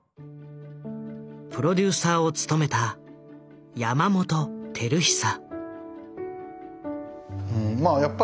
プロデューサーを務めた山本晃久。